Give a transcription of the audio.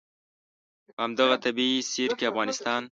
په همدغه طبعي سیر کې افغانستان.